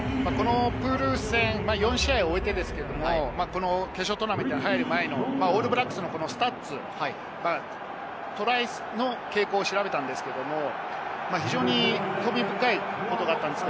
プール戦、４試合を終えて決勝トーナメントに入る前、オールブラックスのスタッツ、トライの傾向を調べたんですけれども、興味深いことがありました。